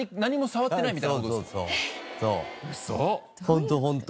ホントホント。